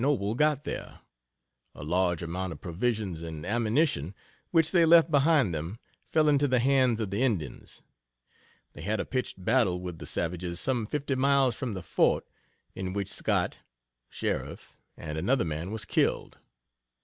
Noble got there. A large amount of provisions and ammunition, which they left behind them, fell into the hands of the Indians. They had a pitched battle with the savages some fifty miles from the fort, in which Scott (sheriff) and another man was killed.